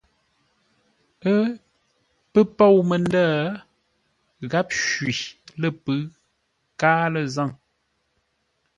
Ə́ pə̂ pôu məndə̂, gháp shwi lə̂ pʉ̌ʉ káa lə̂ zâŋ.